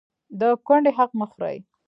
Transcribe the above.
د کونډې حق مه خورئ